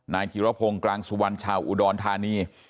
ธิรพงศ์กลางสุวรรณชาวอุดรธานี